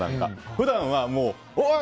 普段はおい！